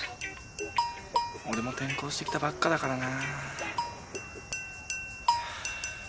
俺も転校してきたばっかだからな。